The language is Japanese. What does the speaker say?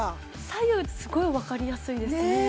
左右すごい分かりやすいですね